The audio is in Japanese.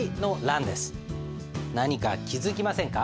何か気付きませんか？